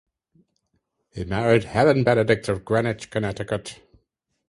He married Helen Benedict of Greenwich, Connecticut.